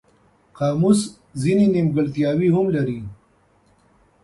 قاموس ځینې نیمګړتیاوې هم لري.